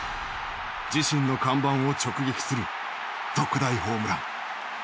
自身の看板を直撃する特大ホームラン。